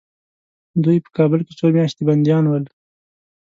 دوی په کابل کې څو میاشتې بندیان ول.